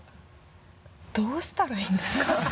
どうしたらいいんですか？